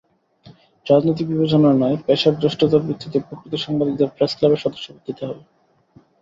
রাজনৈতিক বিবেচনা নয়, পেশার জ্যেষ্ঠতার ভিত্তিতে প্রকৃত সাংবাদিকদের প্রেসক্লাবের সদস্যপদ দিতে হবে।